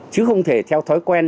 chứ không thể theo thói quen